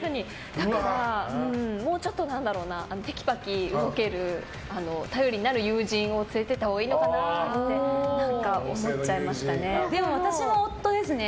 だから、もうちょっとテキパキ動ける、頼りになる友人を連れていったほうがいいのかなってでも、私も夫ですね。